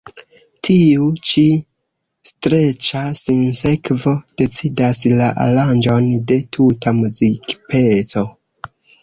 Tiu ĉi streĉa sinsekvo decidas la aranĝon de tuta muzikpeco.